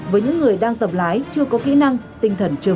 với những người đang tập lái chưa có kỹ năng tinh thần chưa vững